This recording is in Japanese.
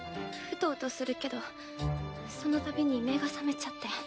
ウトウトするけどその度に目が覚めちゃって。